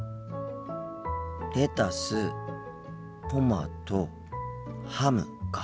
レタストマトハムか。